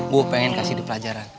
gue pengen kasih di pelajaran